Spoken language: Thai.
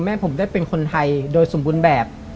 แม่ผมได้เป็นคนไทยโดยสมบูรณ์แบบ